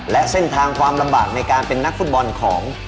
และเส้นทางความลำบากในการเป็นนักฟุตบอลของ